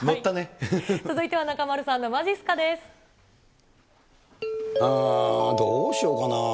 続いては中丸さんのまじっすどうしようかな。